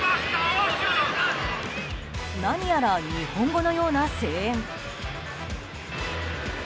何やら日本語のような声援。